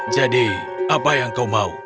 jadi apa yang kau mau